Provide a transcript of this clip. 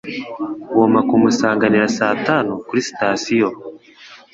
Ngomba kumusanganira saa tanu kuri sitasiyo.